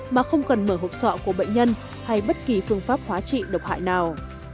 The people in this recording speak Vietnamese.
mà không cần mở hộp sọ của bệnh nhân hay bất kỳ phương pháp hóa trị độc hại nào